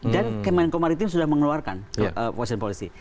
dan kemengko maritim sudah mengeluarkan ocean policy